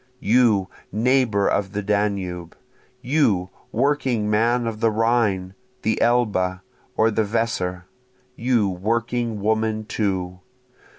You neighbor of the Danube! You working man of the Rhine, the Elbe, or the Weser! you working woman too!